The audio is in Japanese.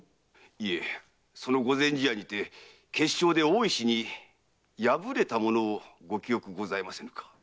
いえその御前試合にて決勝で大石に破れた者をご記憶ございませぬか？